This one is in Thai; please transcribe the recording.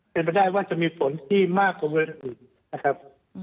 เป็นไปได้ว่าจะมีฝนที่มากกว่าบริเวณอื่นนะครับ